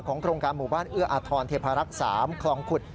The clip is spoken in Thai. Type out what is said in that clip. โครงการหมู่บ้านเอื้ออาทรเทพารักษ์๓คลองขุด